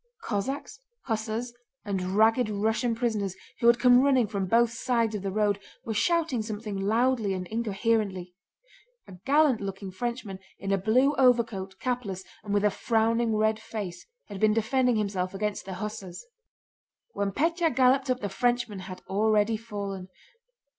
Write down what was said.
Cossacks, hussars, and ragged Russian prisoners, who had come running from both sides of the road, were shouting something loudly and incoherently. A gallant looking Frenchman, in a blue overcoat, capless, and with a frowning red face, had been defending himself against the hussars. When Pétya galloped up the Frenchman had already fallen.